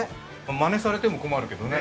まねされても困るけどね。